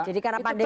jadi karena pandemi